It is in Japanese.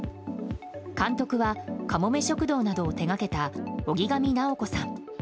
監督は「かもめ食堂」などを手掛けた荻上直子さん。